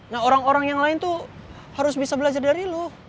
nah orang orang yang lain tuh harus bisa belajar dari lu